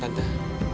tante aku mau pergi